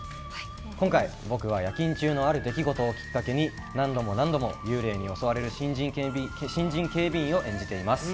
今回、僕は夜勤中のある出来事をきっかけに何度も何度も幽霊に襲われる新人警備員を演じています。